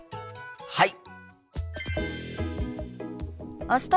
はい！